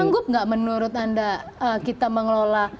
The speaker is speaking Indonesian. sanggup nggak menurut anda kita mengelola tambang rupa